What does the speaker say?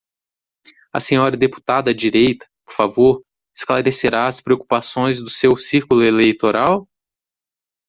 A senhora deputada à direita, por favor, esclarecerá as preocupações do seu círculo eleitoral?